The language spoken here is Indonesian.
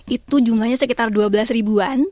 itu jumlahnya sekitar dua belas ribuan